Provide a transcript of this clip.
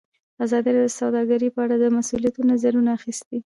ازادي راډیو د سوداګري په اړه د مسؤلینو نظرونه اخیستي.